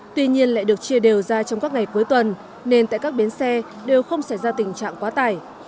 tuy nhiên lại được chia đều ra trong các ngày cuối tuần nên tại các bến xe đều không xảy ra tình trạng quá tải